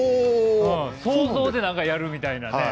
想像でやるみたいなね。